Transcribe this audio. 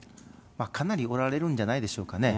かなりおられるんじゃないでしょうかね。